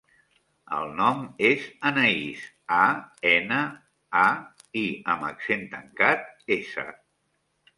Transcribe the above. El nom és Anaís: a, ena, a, i amb accent tancat, essa.